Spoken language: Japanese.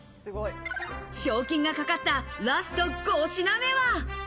賞金がかかったラスト５品目